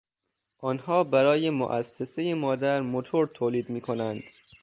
آنها برای موسسهی مادر موتور تولید میکنند.